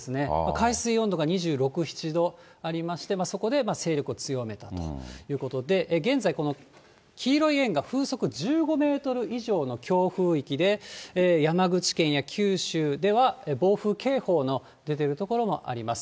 海水温度が２６、７度ありまして、そこで勢力を強めたということで、現在、黄色い円が風速１５メートル以上の強風域で、山口県や九州では暴風警報の出ている所もあります。